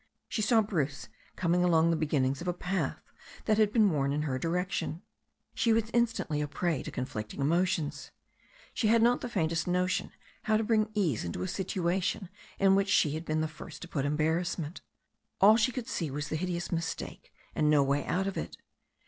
She saw Bruce coming along the beginnings of a path that had been worn in her direction. She was in stantly a prey to conflicting emotions. She had not the faintest notion how to bring ease into a situation in which she had been the first to put embarrassment. All she could see was the hideous mistake and no way out of it.